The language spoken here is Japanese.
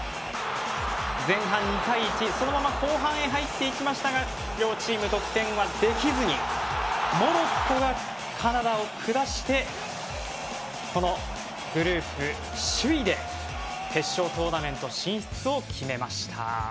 前半、２対１そのまま後半に入っていきましたが両チーム、得点はできずにモロッコがカナダを下してこのグループ首位で決勝トーナメント進出を決めました。